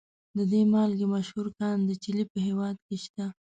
د دې مالګې مشهور کان د چیلي په هیواد کې شته.